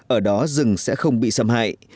ở đó rừng sẽ không bị xâm hại